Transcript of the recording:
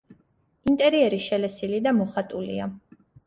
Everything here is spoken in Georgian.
ინტერიერი შელესილი და მოხატულია.